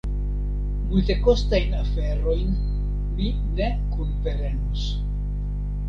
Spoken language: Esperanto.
Multekostajn aferojn mi ne kunprenos.